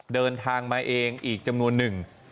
เดินทางมาเองอีกจำนวนหนึ่ง